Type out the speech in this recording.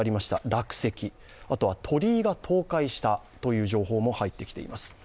落石、あとは鳥井が倒壊したという情報も入ってきています。